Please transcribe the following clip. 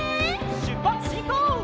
しゅっぱつしんこう！